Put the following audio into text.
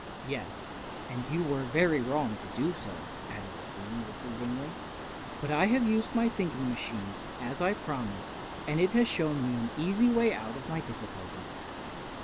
"Yes, and you were very wrong to do so," added the Queen, reprovingly. "But I have used my thinking machine, as I promised, and it has shown me an easy way out of my difficulties."